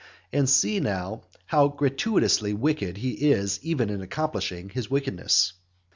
And see, now, how gratuitously wicked he was even in accomplishing his wickedness.